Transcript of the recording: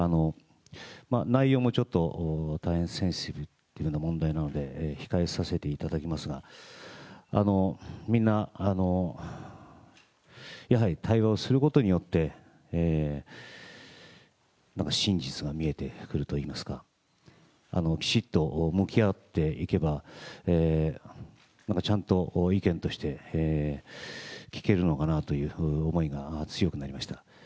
内容もちょっと大変センシティブな問題なので控えさせていただきますが、みんな、やはり対話をすることによって真実が見えてくるといいますか、きちっと向き合っていけば、なんかちゃんと意見として聞けるのかなという思いが強くなりました。